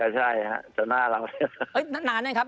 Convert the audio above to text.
ใช่ตอนหน้าเราเนี่ย